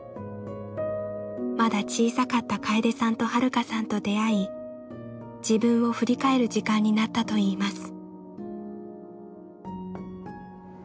まだ小さかった楓さんと遥さんと出会い自分を振り返る時間になったといいます。